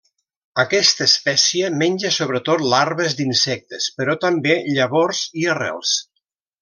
Aquesta espècie menja sobretot larves d'insectes, però també llavors i arrels.